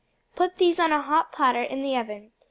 Put these on a hot platter in the oven.